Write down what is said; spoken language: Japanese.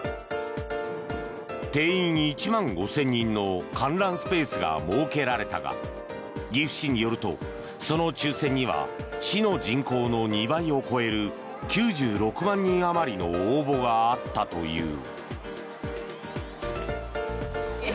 定員１万５０００人の観覧スペースが設けられたが岐阜市によると、その抽選には市の人口の２倍を超える９６万人あまりの応募があったという。